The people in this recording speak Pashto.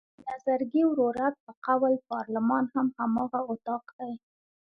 د نظرګي ورورک په قول پارلمان هم هماغه اطاق دی.